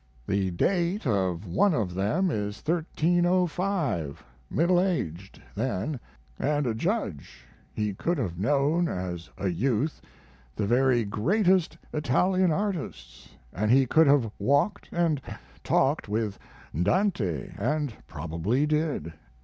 The date of one of them is 1305 middle aged, then, & a judge he could have known, as a youth, the very greatest Italian artists, & he could have walked & talked with Dante, & probably did.